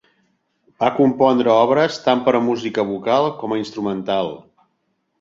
Va compondre obres tant per a música vocal com a instrumental.